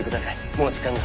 もう時間が。